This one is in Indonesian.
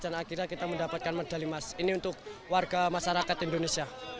dan akhirnya kita mendapatkan medali emas ini untuk warga masyarakat indonesia